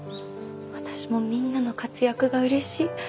私もみんなの活躍が嬉しい。